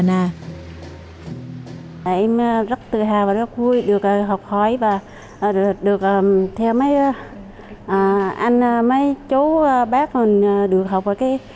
em rất tự hào và rất vui được học hỏi và được theo mấy anh mấy chú bác mình được học ở kia